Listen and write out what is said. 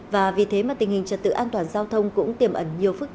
và vì thế mà tình hình trật tự an toàn giao thông cũng tiềm ẩn